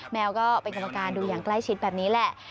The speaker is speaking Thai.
แมวก็เป็นกรรมการดูอย่างใกล้ชิดแบบนี้แหละ